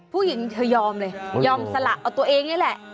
ผู้หญิงเธอยอมเลยยอมสละเอาตัวเองนี่แหละ